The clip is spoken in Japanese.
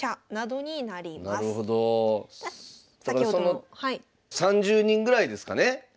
その３０人ぐらいですかね